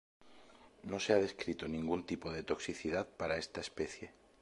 No se ha descrito ningún tipo de toxicidad para esta especie.